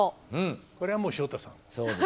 これはもう昇太さん。